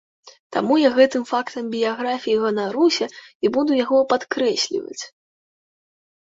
Таму я гэтым фактам біяграфіі ганаруся і буду яго падкрэсліваць.